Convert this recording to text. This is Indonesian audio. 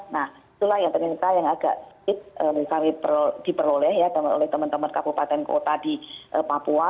nah itulah yang agak sedikit kami diperoleh oleh teman teman kabupaten kota di papua